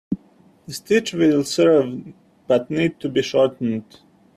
The stitch will serve but needs to be shortened.